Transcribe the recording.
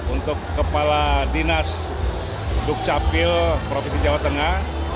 untuk kepala dinas dukcapil provinsi jawa tengah